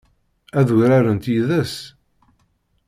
Ad urarent yid-s?